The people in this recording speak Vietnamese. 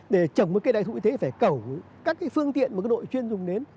để trồng một cây đại thụ thế phải cẩu các phương tiện một đội chuyên dùng đến